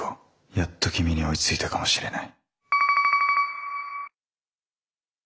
やっと君に追いついたかもしれない。